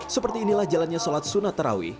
seperti inilah jalannya sholat sunat terawih